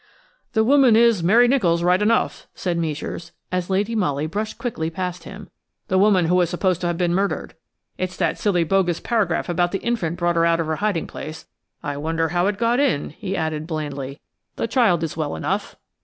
"The woman is Mary Nicholls, right enough," said Meisures, as Lady Molly brushed quickly past him, "the woman who was supposed to have been murdered. It's that silly bogus paragraph about the infant brought her out of her hiding place. I wonder how it got in," he added blandly; "the child is well enough."